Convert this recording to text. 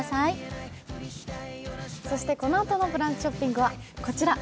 そしてこのあとの「ブランチショッピング」はこちら。